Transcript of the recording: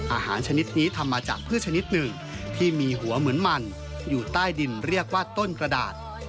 ชนิดนี้ทำมาจากพืชชนิดหนึ่งที่มีหัวเหมือนมันอยู่ใต้ดินเรียกว่าต้นกระดาษ